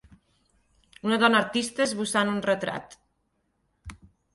Una dona artista esbossant un retrat.